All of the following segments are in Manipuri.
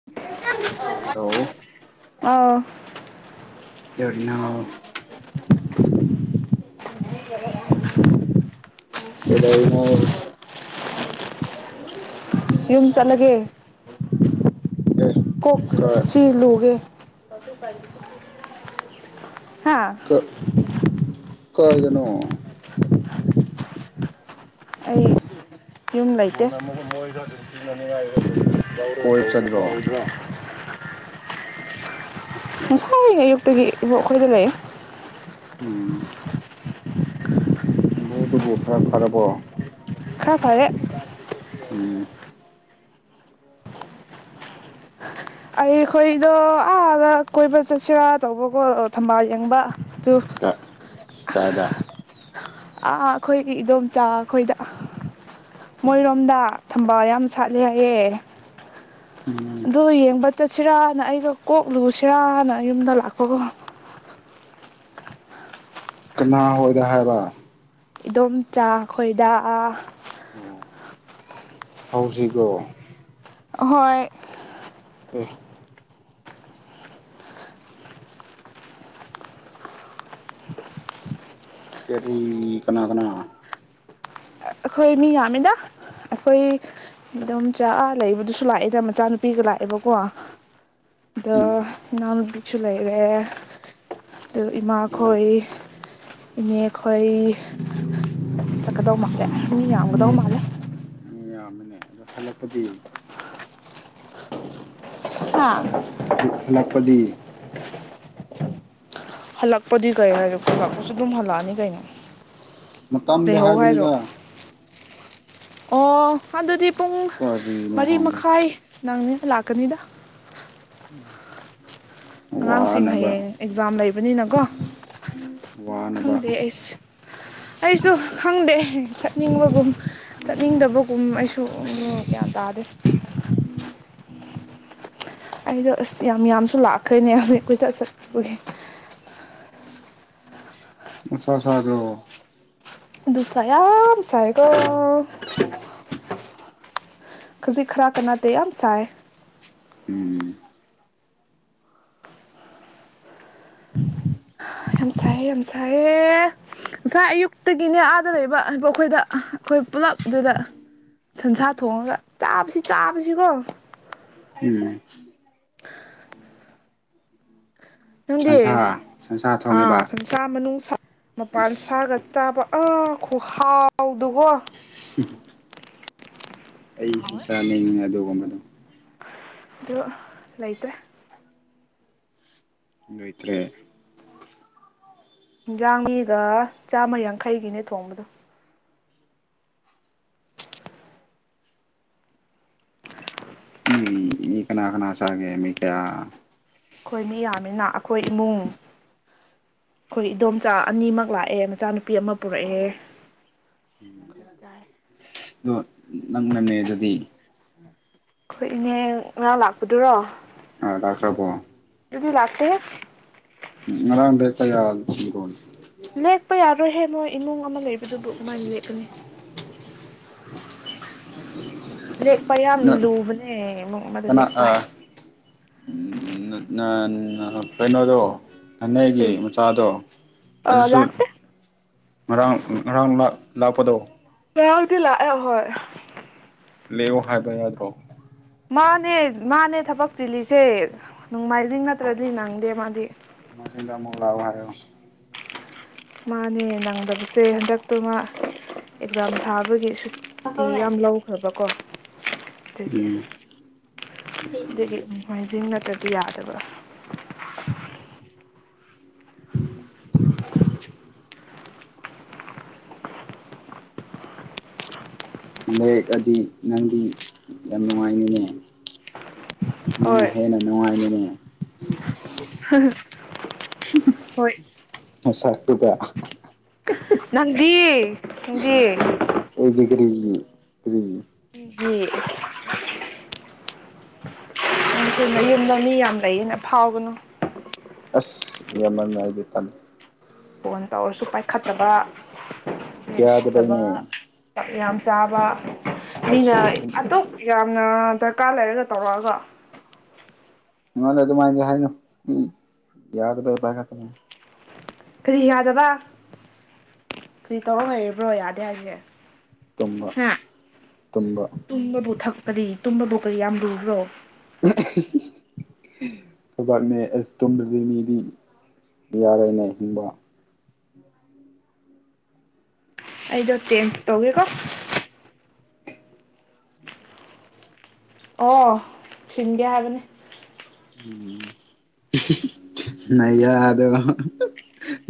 [unintelligible] ꯍꯜꯂꯣ ꯑꯥꯎ [unintelligible] [unintelligible] [unintelligible] ꯀꯩꯗꯧꯔꯤꯅꯣ [unintelligible] ꯌꯨꯝ ꯆꯠꯂꯒꯦ ꯑꯦ ꯀꯥꯏ ꯀꯣꯛꯁꯤ ꯂꯨꯒꯦ [unintelligible] ꯍꯥ [unintelligible] ꯀꯥꯏꯗꯅꯣ ꯑꯩ ꯌꯨꯝ ꯂꯩꯇꯦ [unintelligible] [unintelligible] ꯀꯣꯏ ꯆꯠꯂꯤꯔꯣ [unintelligible] ꯉꯁꯥꯏ ꯑꯌꯨꯛꯇꯒꯤꯕꯨ ꯏꯕꯣꯛꯈꯣꯏꯗ ꯂꯩꯌꯦ ꯎꯝ ꯏꯕꯣꯛꯇꯨ ꯕꯨ ꯈꯔ ꯐꯔꯕꯣ ꯈꯔ ꯐꯔꯦ ꯎꯝ ꯑꯩꯈꯣꯏꯗꯣ ꯑꯥꯗ ꯀꯣꯏꯕ ꯆꯠꯁꯤꯔꯥ ꯇꯧꯕꯀꯣ ꯊꯝꯕꯥꯜ ꯌꯦꯡꯕ ꯑꯗꯨ [unintelligible] ꯑꯥ ꯑꯩꯈꯣꯏꯒꯤ ꯏꯗꯣꯝꯆꯥ ꯈꯣꯏꯗ ꯃꯣꯏꯔꯣꯝꯗ ꯊꯝꯕꯥꯜ ꯌꯥꯝ ꯁꯥꯠꯂꯦ ꯍꯥꯏꯌꯦ ꯎꯝ ꯑꯗꯨ ꯌꯦꯡꯕ ꯆꯠꯁꯤꯔꯅ ꯑꯩꯗꯣ ꯀꯣꯛ ꯂꯨꯁꯤꯔꯅ ꯌꯨꯝꯗ ꯂꯥꯛꯄꯀꯣ ꯀꯅꯥꯍꯣꯏꯗ ꯍꯥꯏꯕ ꯏꯟꯗꯣꯝꯆꯥ ꯈꯣꯏꯗ ꯑꯀ ꯍꯧꯖꯤꯛꯂꯣ ꯍꯣꯏ ꯑꯦ ꯀꯔꯤ ꯀꯅꯥ ꯀꯅꯥ ꯑꯩꯈꯣꯏ ꯃꯤ ꯌꯥꯝꯃꯤꯗ ꯑꯩꯈꯣꯏ ꯏꯗꯣꯝꯆꯥ ꯂꯩꯕꯗꯨꯁꯨ ꯂꯥꯛꯑꯦꯗ ꯃꯆꯥꯅꯨꯄꯤꯒ ꯂꯥꯛꯑꯦꯕꯀꯣ ꯑꯗ ꯎꯝ ꯏꯅꯥꯎꯅꯄꯤꯁꯨ ꯂꯩꯔꯦ ꯑꯗꯨ ꯏꯃꯥ ꯈꯣꯏ ꯏꯅꯦ ꯈꯣꯏ ꯆꯠꯀꯗꯧ ꯃꯥꯜꯂꯦ ꯃꯤ ꯌꯥꯝꯒꯗꯧ ꯃꯥꯜꯂꯦ ꯃꯤ ꯌꯥꯝꯃꯤꯅꯦ ꯑꯗꯣ ꯍꯜꯂꯛꯄꯗꯤ [unintelligible] ꯍꯥꯥ ꯍꯜꯂꯛꯄꯗꯤ ꯍꯜꯂꯛꯄꯗꯤ ꯀꯩ [unintelligible] ꯍꯜꯂꯛꯄꯁꯨ ꯑꯗꯨꯝ ꯍꯜꯂꯛꯑꯅꯤ ꯀꯩꯅꯣ ꯃꯇꯝꯗꯣ ꯂꯩꯍꯧ ꯍꯥꯏꯔꯣ ꯍꯥꯏꯕꯅꯤꯗ ꯑꯣ ꯑꯗꯨꯗꯤ ꯄꯨꯡ ꯀꯔꯤꯅꯣ ꯃꯔꯤ ꯈꯪꯗꯦ ꯃꯈꯥꯏ ꯅꯪꯅꯕ ꯂꯥꯛꯀꯅꯤꯗ ꯎꯝ ꯑꯉꯥꯡꯁꯤꯡ ꯍꯌꯦꯡ ꯑꯦꯛꯖꯥꯝ ꯂꯩꯕꯅꯤꯅꯀꯣ ꯋꯥꯅꯕ ꯈꯪꯗꯦ ꯑꯩꯁ ꯑꯩꯁꯨ ꯈꯪꯗꯦ ꯆꯠꯅꯤꯡꯕꯒꯨꯝ ꯆꯠꯅꯤꯡꯗꯕꯒꯨꯝ ꯑꯩꯁꯨ ꯒ꯭ꯌꯥꯟ ꯇꯥꯗꯦ ꯎꯝ [inaudible] ꯑꯩꯗꯣ ꯑꯁ ꯌꯥꯝ ꯌꯥꯝꯁꯨ ꯂꯥꯛꯈ꯭ꯔꯦꯅꯦ ꯑꯗꯨ ꯑꯩ ꯀꯣꯏꯆꯠ ꯆꯠꯄꯒꯤ ꯅꯨꯡꯁꯥ ꯁꯥꯗ꯭ꯔꯣ ꯅꯨꯡꯁꯥ ꯌꯥꯝ ꯁꯥꯏꯀꯣ ꯈꯖꯤꯛ ꯈꯔꯥꯛꯀ ꯅꯠꯇꯦ ꯌꯥꯝ ꯁꯥꯏ ꯎꯝ ꯌꯥꯝ ꯁꯥꯏꯌꯦ ꯌꯥꯝ ꯁꯥꯏꯌꯦ ꯉꯁꯥꯏ ꯑꯌꯨꯛꯇꯒꯤꯅꯦ ꯑꯥꯗ ꯂꯩꯕ ꯑꯩꯈꯣꯏꯗ ꯑꯩꯈꯣꯏ ꯄꯨꯂꯞ ꯑꯗꯨꯗ ꯁꯟꯁꯥ ꯊꯣꯡꯉꯒ ꯆꯥꯕꯁꯤ ꯆꯥꯕꯁꯤꯀꯣ ꯎꯝ [unintelligible] ꯅꯪꯗꯤ ꯁꯟꯁꯥ ꯁꯟꯁꯥ ꯑꯥ ꯊꯣꯡꯉꯦꯕ ꯁꯟꯁꯥ ꯃꯅꯨꯡꯁꯥ ꯑꯁ ꯃꯄꯥꯟꯁꯥꯒ ꯆꯥꯕ ꯑꯥ ꯈꯨꯍꯥꯎꯗꯒꯣ [inaudible] ꯑꯩꯁꯨ ꯑꯗꯨ ꯆꯥꯅꯤꯡꯉꯦ ꯑꯗꯨꯒꯨꯝꯕꯗꯣ ꯑꯗꯨ ꯂꯩꯇ꯭ꯔꯦ ꯂꯩꯇ꯭ꯔꯦ ꯔꯥꯡꯂꯤꯒ ꯆꯥꯝꯃ ꯌꯥꯡꯈꯩꯒꯤꯅꯦ ꯊꯣꯡꯕꯗꯣ ꯃꯤ ꯀꯅꯥ ꯀꯅꯥ ꯆꯥꯒꯦ ꯃꯤ ꯀꯌꯥ ꯃꯤ ꯌꯥꯝꯃꯤꯅ ꯑꯩꯈꯣꯏ ꯏꯃꯨꯡ ꯑꯩꯈꯣꯏ ꯏꯗꯣꯝꯆꯥ ꯑꯅꯤꯃꯛ ꯂꯥꯛꯑꯦ ꯃꯆꯥꯅꯨꯄꯤ ꯑꯃ ꯄꯨꯔꯛꯑꯦ ꯑꯩꯈꯣꯏ ꯆꯥꯏ ꯑꯗꯣ ꯅꯪꯅꯦ ꯅ‌ꯦꯖꯕꯤ ꯑꯩꯈꯣꯏ ꯏꯅꯦ ꯉꯔꯥꯡ ꯂꯥꯛꯄꯗꯨꯔꯣ ꯑꯥ ꯂꯥꯛꯈ꯭ꯔꯕ‌ꫭ ꯑꯗꯨꯗꯤ ꯂꯥꯛꯇꯦ ꯉꯔꯥꯡꯗ ꯀꯌꯥ [unintelligible] ꯂꯦꯛꯄ ꯌꯥꯔꯣꯏꯍꯦ ꯅꯣꯏ ꯏꯃꯨꯡ ꯑꯃ ꯂꯩꯕꯗꯨꯕꯨ ꯀꯃꯥꯏꯅ ꯂꯦꯛꯀꯅꯤ ꯂꯦꯛꯄ ꯌꯥꯝ ꯂꯨꯕꯅꯦ ꯏꯃꯨꯡ ꯑꯃꯗ ꯀꯅꯥ ꯂꯦꯛꯄ ꯑꯥ ꯍꯥꯏꯕ ꯀꯩꯅꯣꯗꯣ ꯅ‌ꫭꯏꯒꯤ ꯃꯆꯥꯗꯣ ꯑ ꯑꯗꯨꯁꯨ ꯂꯥꯛꯇꯦ ꯉꯔꯥꯡ ꯉꯔꯥꯡ ꯂꯥꯛ ꯂꯥꯛꯄꯗꯣ ꯉꯔꯥꯡꯗꯤ ꯂꯥꯛꯑꯦ ꯍꯣꯏ ꯂꯦꯛꯑꯣ ꯍꯥꯏꯕ ꯌꯥꯗ꯭ꯔꯣ ꯃꯥꯅꯦ ꯃꯥꯅꯦ ꯊꯕꯛ ꯆꯤꯜꯂꯤꯁꯦ ꯅꯣꯡꯃꯥꯏꯖꯤꯡ ꯅꯠꯇ꯭ꯔꯗꯤ ꯅꯪꯗꯦ ꯃꯥꯗꯤ ꯅ‌ꫭꯡꯃꯥꯏꯖꯤꯡꯗ ꯑꯃꯨꯛ ꯂꯥꯎꯑꯣ ꯍꯥꯏꯌꯣ ꯃꯥꯅꯦ ꯅꯪꯗꯕꯁꯦ ꯍꯟꯗꯛꯇꯨ ꯃꯥ ꯑꯦꯛꯖꯥꯝ ꯊꯥꯕꯒꯤꯁꯨ ꯇꯤ ꯌꯥꯝ ꯂꯧꯈ꯭ꯔꯕꯀꯣ ꯑꯗꯨꯒꯤ ꯎꯝ ꯑꯗꯨꯒꯤ ꯅꯣꯡꯃꯥꯏꯖꯤꯡ ꯅꯠꯇ꯭ꯔꯗꯤ ꯌꯥꯗꯕ [inaudible] ꯂꯦꯛꯑꯗꯤ ꯅꯪꯗꯤ ꯌꯥꯝ ꯅꯨꯡꯉꯥꯏꯅꯤꯅꯦ ꯅꯪꯅ ꯍꯣꯏ ꯍꯦꯟꯅ ꯅꯨꯡꯉꯥꯏꯅꯤꯅꯦ ꯍꯣꯏ ꯅꯥꯁꯛꯇꯨꯒꯥ ꯅꯪꯗꯤ ꯅꯪꯗꯤ ꯑꯩꯗꯤ ꯀꯔꯤꯒꯤ ꯀꯔꯤ [inaudible] [unintelligible] ꯌꯨꯝꯗ ꯃꯤ ꯌꯥꯝ ꯂꯩꯌꯦꯅ ꯐꯥꯎꯒꯅꯨ ꯑꯁ ꯒ꯭ꯌꯥꯟ ꯃꯥꯟ ꯅꯥꯏꯗꯦ ꯇꯜꯂꯦ ꯐꯣꯟ ꯇꯧꯔꯁꯨ ꯄꯥꯏꯈꯠꯇꯕ ꯃꯤ ꯎꯁꯤꯠꯇꯕ ꯌꯥꯗꯕꯩꯅꯦ ꯆꯥꯛ ꯌꯥꯝ ꯆꯥꯕ ꯃꯤꯅ ꯑꯩꯁ ꯑꯗꯨꯛ ꯌꯥꯝꯅ ꯗꯔꯀꯥꯔ ꯂꯩꯔꯒ ꯇꯧꯔꯛꯑꯒ ꯉꯣꯟꯗ ꯑꯗꯨꯃꯥꯏꯅꯗꯤ ꯍꯥꯏꯅꯨ ꯃꯤ ꯌꯥꯗꯕꯩ ꯄꯥꯏꯈꯠꯇꯕꯅꯤ ꯀꯔꯤ ꯌꯥꯗꯕ ꯀꯔꯤ ꯇꯧꯔ ꯂꯩꯔꯤꯕ꯭ꯔꯣ ꯌꯥꯗꯦ ꯍꯥꯏꯁꯦ ꯇꯨꯝꯕ ꯍꯥ ꯇꯨꯝꯕ ꯇꯨꯝꯕꯕꯨ ꯊꯛꯄꯗꯤ ꯇꯨꯝꯕꯕꯨ ꯀꯔꯤ ꯌꯥꯝ ꯂꯨꯕ꯭ꯔꯣ [inaudible] ꯊꯕꯛꯅꯦ ꯑꯁ ꯇꯨꯝꯗꯗꯤ ꯃꯤꯗꯤ ꯌꯥꯔꯣꯏꯅꯦ ꯍꯤꯡꯕ ꯑꯩꯗꯣ ꯆꯦꯟꯖ ꯇꯧꯒꯦꯀꯣ ꯑꯣ ꯁꯤꯟꯒꯦ ꯍꯥꯏꯕꯅꯤ ꯎꯝ ꯅꯌꯥꯗꯣ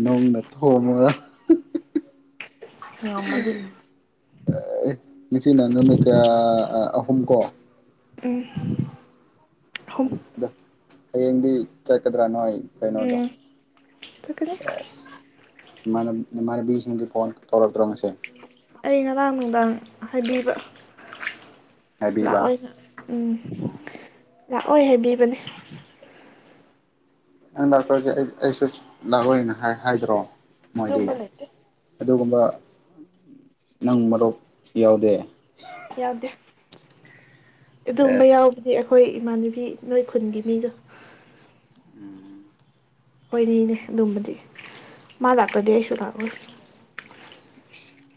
ꯅꯨꯡꯅ ꯊꯣꯝꯃꯨꯔꯣ ꯉꯝꯃꯗꯤ [unintelligible] ꯅꯪꯅ ꯀꯌꯥ ꯑ ꯑꯍꯨꯝ ꯀꯣ ꯎꯝ ꯑꯍꯨꯝ ꯑꯗꯣ ꯍꯌꯦꯡꯗꯤ ꯆꯠꯀꯗ꯭ꯔꯥ ꯅꯣꯏ ꯀꯩꯅꯣꯗꯣ ꯎꯝ ꯆꯠꯀꯅꯤ ꯁꯦꯁ ꯏꯃꯥꯟ ꯏꯃꯥꯟꯅꯕꯤꯁꯤꯡꯗꯤ ꯐꯣꯟ ꯇꯧꯔꯛꯇ꯭ꯔꯣ ꯉꯁꯤ ꯑꯩ ꯉꯔꯥꯡ ꯅꯨꯡꯗꯥꯡ ꯍꯥꯏꯕꯤꯕ ꯍꯥꯏꯕꯤꯕ ꯂꯥꯛꯑꯣꯏꯅ ꯎꯝ ꯂꯥꯛꯑꯣꯏ ꯍꯥꯏꯕꯤꯕꯅꯦ ꯅꯪ ꯂꯥꯛꯇ꯭ꯔꯁꯦ ꯑꯩ ꯑꯩꯁꯨ ꯂꯥꯛꯑꯣꯏꯅ ꯍꯥꯏ ꯍꯥꯏꯗ꯭ꯔꯣ ꯃꯣꯏꯗꯤ ꯑꯗꯨꯝꯕ ꯂꯩꯇꯦ ꯑꯗꯨꯒꯨꯝꯕ ꯅꯪ ꯃꯔꯣꯛ ꯌꯥꯎꯗꯦ ꯌꯥꯎꯗꯦ ꯑꯦ ꯑꯗꯨꯒꯨꯝꯕ ꯌꯥꯎ ꯍꯥꯏꯗꯤ ꯑꯩꯈꯣꯏ ꯏꯃꯥꯟꯅꯕꯤ ꯅꯣꯏ ꯈꯨꯟꯒꯤ ꯃꯤꯗꯣ ꯎꯝ ꯈꯣꯏꯅꯤꯅꯦ ꯑꯗꯨꯝꯕꯗꯤ ꯃꯥ ꯂꯥꯛꯇꯗꯤ ꯑꯩꯁꯨ ꯂꯥꯛꯑꯣꯏ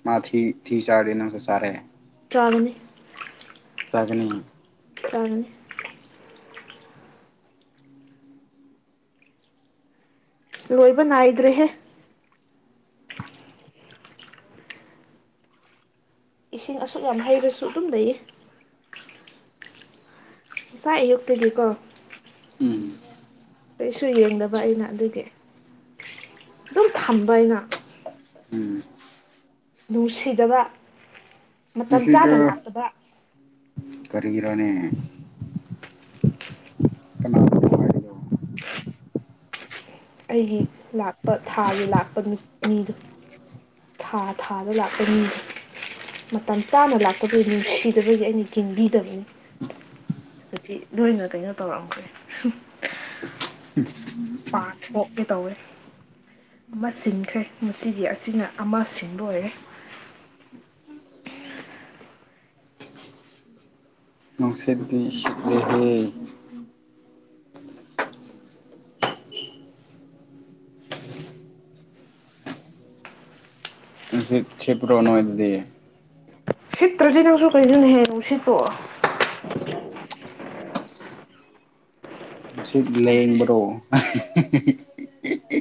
ꯃꯥ [unintelligible] ꯆꯥꯔꯗꯤ ꯅꯪꯁꯨ ꯆꯥꯔꯦ ꯆꯥꯒꯅꯤ ꯆꯥꯒꯅꯤ ꯆꯥꯒꯅꯤ ꯂꯣꯏꯕ ꯅꯥꯏꯗ꯭ꯔꯦꯍꯦ ꯏꯁꯤꯡ ꯑꯁꯨꯛ ꯌꯥꯝ ꯍꯩꯕꯁꯨ ꯑꯗꯨꯝ ꯂꯩꯌꯦ ꯉꯁꯥꯏ ꯑꯌꯨꯛ ꯇꯒꯤꯀꯣ ꯎꯝ ꯀꯩꯁꯨ ꯌꯦꯡꯗꯕ ꯑꯩꯅ ꯑꯗꯨꯒꯤ ꯑꯗꯨꯝ ꯊꯝꯕ ꯑꯩꯅ ꯎꯝ ꯅꯨꯡꯁꯤꯗꯕ ꯃꯇꯝ ꯅꯨꯡꯁꯤꯗ꯭ꯔꯣ ꯆꯥꯅ ꯂꯥꯛꯇꯕ ꯀꯔꯤꯔꯅꯦ ꯀꯅꯥꯅꯣ ꯍꯥꯏꯕꯗꯣ [unintelligible] ꯑꯩꯒꯤ ꯂꯥꯛꯄ ꯊꯥꯒꯤ ꯂꯥꯛꯄ ꯅꯨ ꯃꯤꯗꯣ ꯊꯥ ꯊꯥꯗ ꯂꯥꯛꯄ ꯃꯤꯗꯣ ꯃꯇꯝ ꯆꯥꯅ ꯂꯥꯛꯇꯕꯩ ꯅꯨꯡꯁꯤꯗꯕꯒꯤ ꯑꯩꯅ ꯌꯦꯡꯕꯤꯗꯕ ꯑꯩꯅ ꯂꯣꯏꯅ ꯀꯩꯅꯣ ꯇꯧꯔꯝꯈ꯭ꯔꯦ [inaudible] ꯄꯥ ꯊꯣꯛꯀꯦ ꯇꯧꯔꯦ ꯑꯃ ꯁꯤꯟꯈ꯭ꯔꯦ ꯉꯁꯤꯒꯤ ꯑꯁꯤꯅ ꯑꯃ ꯁꯤꯟꯕ ꯑꯣꯏꯔꯦ ꯅꯨꯡꯁꯤꯠꯗꯤ ꯁꯤꯠꯂꯦꯍꯦ ꯅꯨꯡꯁꯤꯠ ꯁꯤꯠꯄ꯭ꯔꯣ ꯅꯣꯏꯗꯗꯤ ꯁꯤꯠꯇ꯭ꯔꯗꯤ ꯅꯪꯁꯨ ꯀꯩꯅꯣꯅꯦꯍꯦ ꯅꯨꯡꯁꯤꯠ ꯄꯨ ꯅꯨꯡꯁꯤꯠ ꯅꯨꯡꯁꯤꯠ ꯂꯦꯡꯕꯔꯣ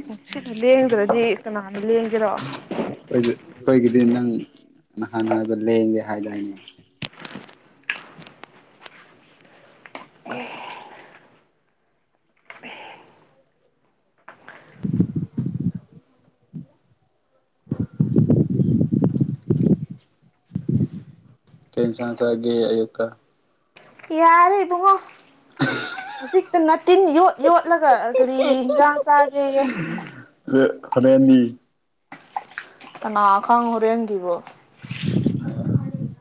ꯅꯨꯡꯁꯤꯠꯅ ꯂꯦꯡꯗ꯭ꯔꯗꯤ ꯀꯅꯥꯅ ꯂꯦꯡꯒꯦꯔꯣ ꯑꯩꯈꯣꯏ ꯑꯩꯈꯣꯏꯒꯤꯗꯤ ꯅꯪ ꯅꯍꯥꯟꯅ ꯍꯥꯏꯕꯗ ꯂꯦꯡꯒꯦ ꯍꯥꯏꯗꯥꯏꯅꯦ [unintelligible] ꯀꯩ ꯏꯟꯁꯥꯡ ꯆꯥꯒꯦ ꯑꯌꯨꯛꯇ ꯌꯥꯔꯦ ꯏꯕꯨꯡꯉꯣ ꯍꯧꯖꯤꯛꯇ ꯇꯤꯟ ꯌꯣꯠ ꯌꯣꯠꯂꯒ ꯀꯔꯤ ꯍꯤꯟꯖꯥꯡ ꯆꯥꯒꯦ ꯌꯦ ꯍꯣꯔꯦꯟꯗꯤ ꯀꯅꯥ ꯈꯪ ꯍꯣꯔꯦꯟꯒꯤꯕꯨ [inaudible]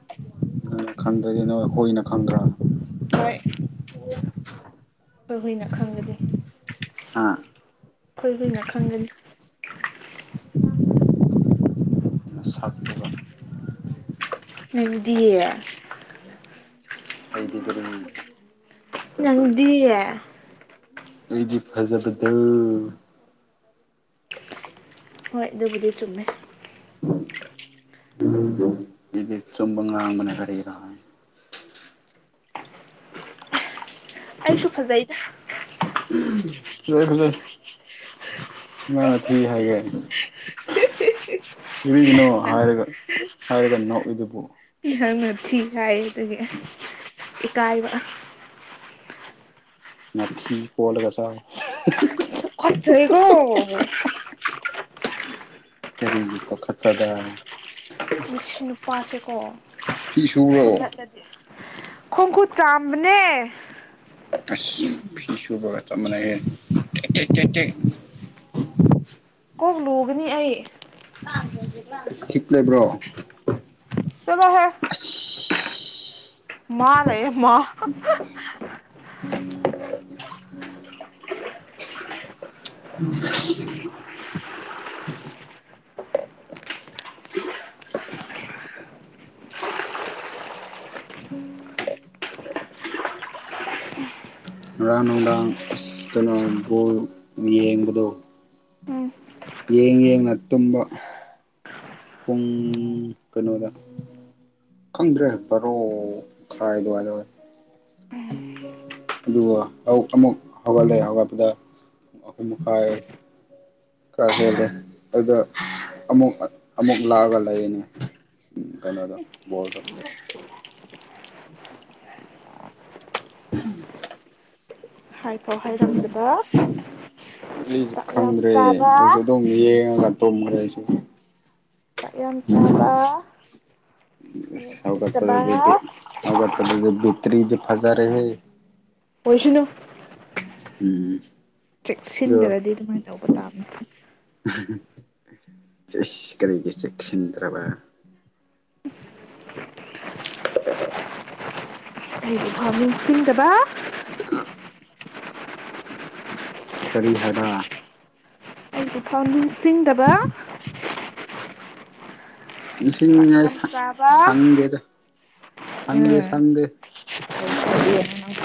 ꯅꯪꯅ ꯈꯪꯗ꯭ꯔꯗꯤ ꯅꫭꯏ ꯍꯨꯏꯅ ꯈꯪꯗ꯭ꯔꯥ ꯍꯣꯏ ꯈꫭꯏ ꯍꯨꯏꯅ ꯈꯪꯒꯅꯤ ꯍꯥ ꯈꯣꯏ ꯍꯨꯏꯅ ꯈꯪꯒꯅꯤ [inaudible] ꯅꯁꯛꯇꯨꯒꯥ ꯅꯪꯗꯤ ꯑꯩꯗꯤ ꯀꯔꯤ ꯅꯪꯗꯤ ꯑꯩꯗꯤ ꯐꯖꯕꯗꯨ ꯍꯣꯏ ꯑꯗꯨꯕꯨꯗꯤ ꯆꯨꯝꯃꯦ [inaudible] ꯑꯩꯗꯤ ꯑꯆꯨꯝꯕ ꯉꯥꯡꯕꯅꯦ ꯀꯔꯤꯔ ꯑꯩꯁꯨ ꯐꯖꯩꯗ ꯐꯖꯩ ꯐꯖꯩ ꯀꯅꯥꯅ ꯊꯤ ꯍꯥꯏꯒꯦ ꯀꯔꯤꯒꯅꯣ ꯍꯥꯏꯔꯒ ꯍꯥꯏꯔꯒ ꯅꯣꯛꯏꯗꯨꯕꯨ ꯅꯪꯅ ꯊꯤ ꯍꯥꯏꯕꯗꯨꯒꯤ ꯏꯀꯥꯏꯕ ꯅꯊꯤ ꯀꯣꯠꯂꯒ ꯆꯥꯎ ꯇꯨꯀꯠꯆꯩꯀꯣ ꯀꯔꯤꯒꯤ ꯇꯨꯀꯠꯆꯕ ꯃꯁꯤ ꯅꯨꯄꯥꯁꯦꯀꯣ ꯐꯤ ꯁꯨꯕ꯭ꯔꯣ ꯐꯨꯗꯠꯂ ꯈꯣꯡ ꯈꯨꯨꯠ ꯆꯥꯝꯕꯅꯦ ꯑꯁ ꯐꯤ ꯁꯨꯕꯒ ꯆꯞ ꯃꯥꯟꯅꯩꯌꯦ ꯇꯦꯠ ꯇꯦꯠ ꯇꯦꯠ ꯀꯣꯛ ꯂꯨꯒꯅꯤ ꯑꯩ [unintelligible] ꯍꯤꯛ ꯂꯩꯕ꯭ꯔꯣ ꯆꯠꯂꯣꯍꯦ ꯑꯁ ꯃꯥ ꯂꯩꯌꯦ ꯃꯥ [inaudible] ꯉꯔꯥꯡ ꯅꯨꯡꯗꯥꯡ ꯑꯁ ꯀꯩꯅꯣ ꯒꯣꯜ ꯌꯦꯡꯕꯗꯣ ꯎꯝ ꯌꯦꯡ ꯌꯦꯡꯅ ꯇꯨꯝꯕ ꯄꯨꯡ ꯀꯩꯅꯣꯗ ꯈꯪꯗ꯭ꯔꯦ ꯕꯥꯔꯣ ꯈꯥꯏ ꯑꯗꯨꯋꯥꯏꯗ ꯑꯗꯨꯒ ꯑꯃꯨꯛ ꯍꯧꯒꯠꯂꯛꯦ ꯍꯧꯒꯠꯄꯗ ꯑꯍꯨꯝ ꯃꯈꯥꯏ ꯈꯔ ꯍꯦꯜꯂꯦ ꯑꯗꯨꯗ ꯑꯃꯨꯛ ꯑꯃꯨꯛ ꯂꯥꯛꯑꯒ ꯂꯩꯑꯦꯅꯦ ꯎꯝ ꯀꯩꯅꫭꯗꯣ ꯕꫭꯜꯗꫭ [inaudible] ꯍꯥꯏꯐꯥꯎ ꯍꯥꯏꯔꯝꯗꯕ ꯑꯩꯁꯨ ꯆꯥꯛꯌꯥꯝ ꯈꯪꯗ꯭ꯔꯦ ꯆꯥꯕ ꯑꯩꯁꯨ ꯑꯗꯨꯝ ꯌꯦꯡꯉꯒ ꯇꯨꯝꯈ꯭ꯔꯦ ꯑꯩꯁꯨ ꯆꯥꯛ ꯌꯥꯝ ꯆꯥꯕ ꯆꯤꯠꯇꯕ ꯍꯧꯒꯠꯄꯗꯗꯤ ꯕꯤꯠ ꯍꯧꯒꯠꯄꯗꯗꯤ ꯕꯦꯇ꯭ꯔꯤꯗꯤ ꯐꯖꯔꯦꯍꯦ ꯑꯣꯏꯁꯅꯨ ꯏꯍ ꯆꯦꯛ ꯁꯤꯟꯗ꯭ꯔꯗꯤ ꯑꯗꯨꯃꯥꯏꯅ ꯇꯧꯕ ꯇꯥꯕꯅꯤ ꯆ‌ꯦꯁ ꯀꯔꯤꯒꯤ ꯆꯦꯛꯁꯤꯟꯗ꯭ꯔꯕ ꯑꯩꯒꯤꯐꯥꯎ ꯅꯤꯡꯁꯤꯡꯗꯕ [unintelligible] ꯀꯔꯤ ꯍꯥꯏꯕ ꯑꯩꯒꯤ ꯐꯥꯎ ꯅꯤꯡꯁꯤꯡꯗꯕ ꯆꯥꯛ ꯅꯤꯡꯁꯤꯅꯤꯉꯥꯏ ꯌꯥꯝ ꯁ ꯆꯥꯕ ꯁꯪꯗꯦꯗ ꯎꯝ ꯁꯪꯗꯦ ꯁꯪꯗꯦ ꯎꯝ [unintelligible]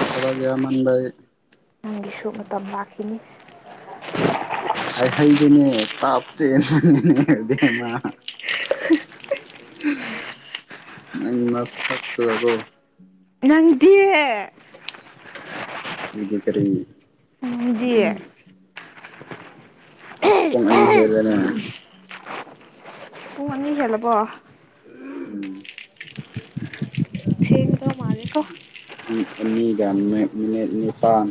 ꯊꯕꯛ ꯌꯥꯝ ꯃꯟꯕꯩ ꯁꯨ ꯃꯇꯝ ꯂꯥꯛꯈꯤꯅꯤ ꯍꯥꯏꯍꯩꯗ‌ꯦꯅꯦ ꯄꯥꯞ ꯆꯦꯟꯕꯅꯤꯅꯦ ꯏꯕꯦꯝꯃ ꯅꯪ ꯅꯁꯛꯇꯨꯒꯀꯣ ꯅꯪꯗꯤ ꯏꯗꯤ ꯀꯔꯤ [unintelligible] ꯅꯪꯗꯤ ꯑꯁ ꯄꯨꯡ ꯑꯅꯤ ꯍꯦꯜꯂ‌ꯦꯅꯦ ꯍ‌ꯦꯜꯂꯕꯣ ꯎꯝ [unintelligible] ꯊ‌ꯦꯡꯗꯣ ꯃꯥꯜꯂ‌ꯦꯀꯣ ꯄꯨꯨꯡ ꯑꯅꯤꯒꯥ ꯃꯤꯠ ꯃꯤꯅꯤꯠ ꯅꯤꯄꯥꯜꯟ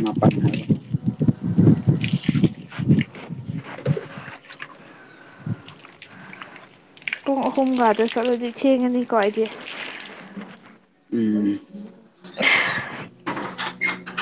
ꯃꯥꯄꯟ ꯍꯥꯏꯕ ꯄꯨꯡ ꯑꯍꯨꯝꯒꯗ ꯆꯠꯂꯗꯤ ꯊꯦꯡꯉꯅꯤꯀꯣ ꯑꯩꯗꯤ ꯎꯝ꯫